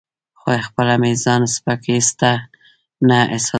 خو خپله مې ځان سپک هیڅ نه احساساوه.